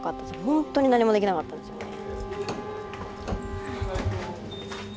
ほんとに何もできなかったんですよね。